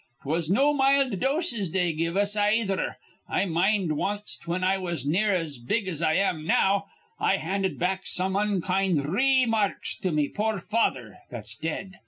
'Twas no mild doses they give us, ayether. I mind wanst, whin I was near as big as I am now, I handed back some onkind re emarks to me poor father that's dead.